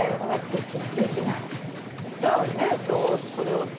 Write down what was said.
できない。